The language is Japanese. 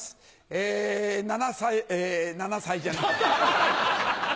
え７歳え７歳じゃない。